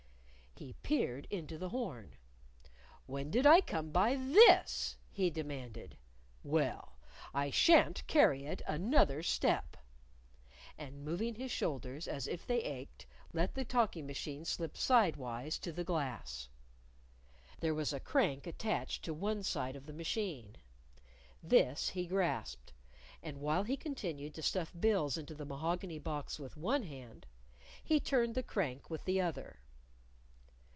He peered into the horn. "When did I come by this?" he demanded. "Well, I shan't carry it another step!" And moving his shoulders as if they ached, let the talking machine slip sidewise to the glass. There was a crank attached to one side of the machine. This he grasped. And while he continued to stuff bills into the mahogany box with one hand, he turned the crank with the other.